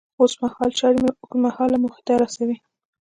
اوسمهال چارې مو اوږد مهاله موخې ته رسوي.